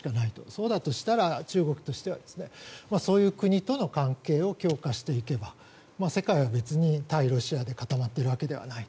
そうだとしたら中国としてはそういう国との関係を強化していけば世界は別に対ロシアで固まっているわけではない。